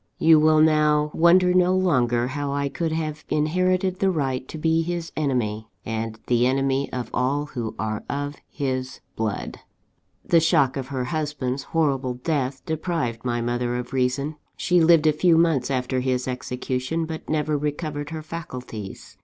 _ You will now wonder no longer how I could have inherited the right to be his enemy, and the enemy of all who are of his blood. "The shock of her husband's horrible death deprived my mother of reason. She lived a few months after his execution; but never recovered her faculties.